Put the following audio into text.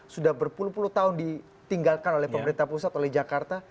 sudah berpuluh puluh tahun ditinggalkan oleh pemerintah pusat oleh jakarta